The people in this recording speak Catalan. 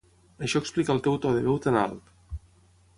Això explica el teu to de veu tan alt.